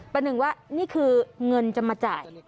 ประหนึ่งว่านี่คือเงินจะมาจ่าย